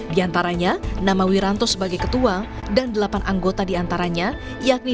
di antaranya nama wiranto sebagai ketua dan delapan anggota diantaranya yakni